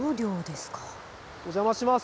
お邪魔します。